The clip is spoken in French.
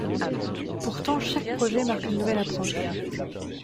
Pourtant chaque projet marque une nouvelle approche.